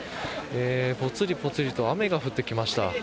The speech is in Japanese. ぽつりぽつりと雨が降ってきました。